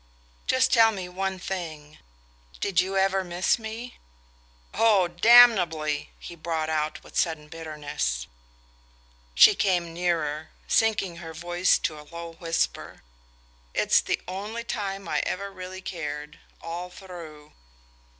"Just tell me one thing did you never miss me?" "Oh, damnably!" he brought out with sudden bitterness. She came nearer, sinking her voice to a low whisper. "It's the only time I ever really cared all through!"